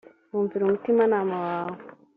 wumvira umutimanama wawe